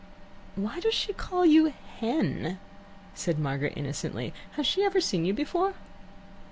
"Why does she call you 'Hen'?" said Margaret innocently. "Has she ever seen you before?"